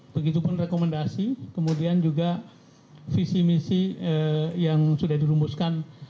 begitupun rekomendasi kemudian juga visi misi yang sudah dirumuskan